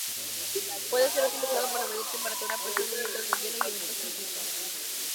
Puede ser utilizado para medir temperatura, presión, movimiento del hielo, y eventos sísmicos.